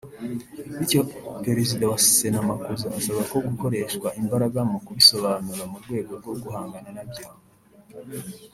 bityo Perezida wa Sena Makuza asaba ko gukoreshwa imbaraga mu kubisobanura mu rwego rwo guhangana na byo